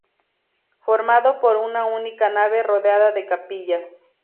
Formado por una única nave rodeada de capillas.